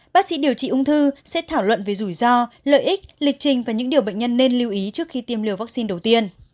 bác sĩ điều trị ung thư sẽ thảo luận về rủi ro lợi ích lịch trình và những điều bệnh nhân nên lưu ý trước khi tiêm liều vaccine đầu tiên